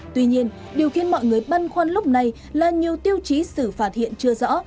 tuy nhiên điều khiến mọi người băn khoăn lúc này là nhiều tiêu chí xử phạt hiện chưa rõ